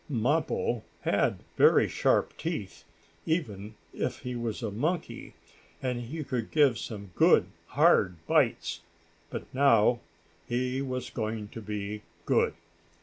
Mappo had very sharp teeth, even if he was a monkey, and he could give some good hard bites. But now he was going to be good.